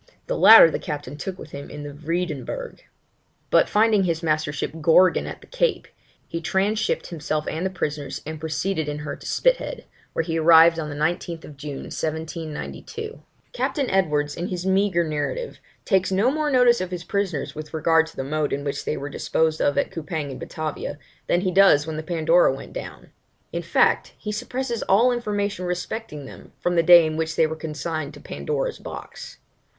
The latter the captain took with him in the Vreedenburgh; but finding his Majesty's ship Gorgon at the Cape, he transhipped himself and prisoners, and proceeded in her to Spithead, where he arrived on the 19th June, 1792. Captain Edwards, in his meagre narrative, takes no more notice of his prisoners with regard to the mode in which they were disposed of at Coupang and Batavia, than he does when the Pandora went down. In fact, he suppresses all information respecting them, from the day in which they were consigned to 'Pandora's Box.'